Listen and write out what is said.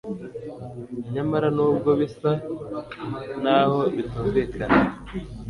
nyamara nubwo bisa naho bitumvikana